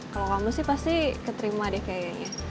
kalau kamu sih pasti keterima deh kayaknya